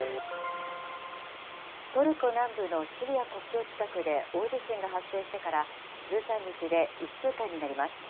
トルコ南部のシリア国境近くで大地震が発生してから１３日で１週間になります。